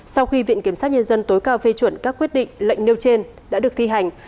sau khi viện kiểm sát nhân dân tối cao phê chuẩn các quyết định lệnh nêu trên đã được thi hành